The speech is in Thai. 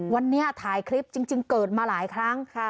วันนี้ถ่ายคลิปจริงเกิดมาหลายครั้ง